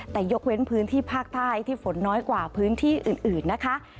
แต่ยกเว้นพื้นที่ภาคใต้ที่ฝนน้อยกว่าพื้นที่อื่นนะคะ